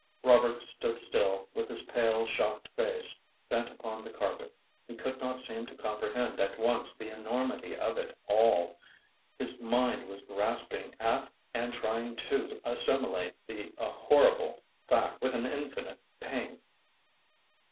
Robert stood still, with his pale, shocked face bent upon the carpet. He could not seem to comprehend at once the enormity of it all; his mind was grasping at and trying to assimilate the horrible fact with an infinite pain.